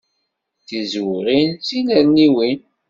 Tizewɣin, tinerniwin.